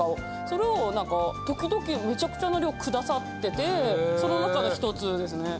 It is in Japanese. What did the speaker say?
それをなんかときどきめちゃくちゃな量くださっててその中の１つですね。